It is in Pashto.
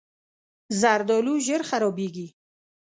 زردالو ژر خرابېږي.